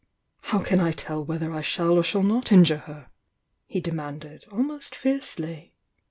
How can I tell whether I shall or shall not injure her? h( demanded, almost fiercely.